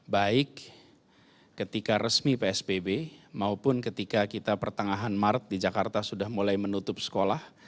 baik ketika resmi psbb maupun ketika kita pertengahan maret di jakarta sudah mulai menutup sekolah